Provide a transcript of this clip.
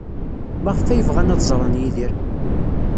Maɣef ay bɣan ad ẓren Yidir?